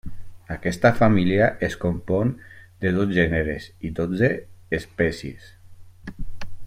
Aquesta família es compon de dos gèneres i dotze espècies.